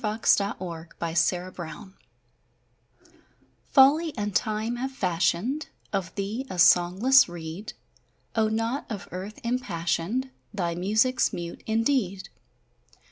Athassel Abbey FOLLY and Time have fashioned Of thee a songless reed; O not of earth impassioned! Thy music 's mute indeed.